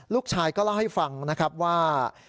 ลูกชายก็เล่าให้ฟังนะครับว่า